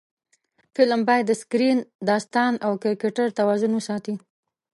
فلم باید د سکرېن، داستان او کرکټر توازن وساتي